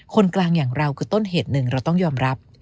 คนกลางอย่างเราคือต้นเหตุหนึ่งเราต้องยอมรับ